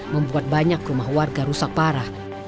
membuat banyak rumah warga rusak parah